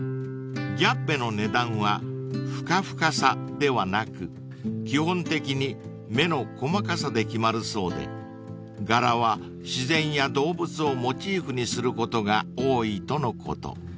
［ギャッベの値段はふかふかさではなく基本的に目の細かさで決まるそうで柄は自然や動物をモチーフにすることが多いとのこと］